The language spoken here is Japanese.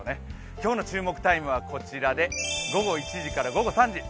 今日の注目タイムはこちらで午後１時から午後３時。